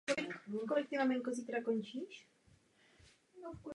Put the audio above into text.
Později se významně podílel na likvidaci výsledků „pražského jara“.